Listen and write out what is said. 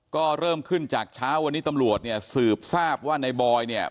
ก็เริ่มขึ้นจากเช้าวันนี้ตำรวจเนี่ยสืบทราบว่าในบอยเนี่ย